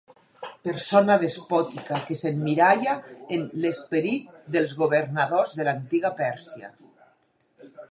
Persona despòtica que s'emmiralla en l'esperit dels governadors de l'antiga Pèrsia.